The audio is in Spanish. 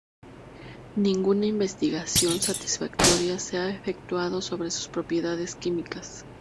Ninguna investigación satisfactoria se ha efectuado sobre sus propiedades químicas.